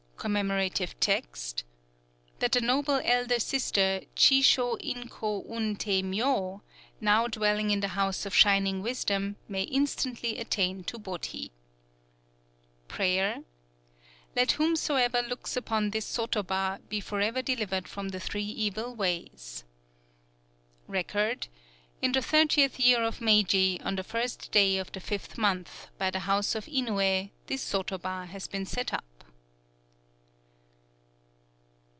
_ (Commemorative text.) That the noble Elder Sister Chi Shō In Kō Un Tei Myō, now dwelling in the House of Shining Wisdom, may instantly attain to Bodhi. (Prayer.) Let whomsoever looks upon this sotoba be forever delivered from the Three Evil Ways. (Record.) _In the thirtieth year of Meiji, on the first day of the fifth month, by the house of Inouyé, this sotoba has been set up.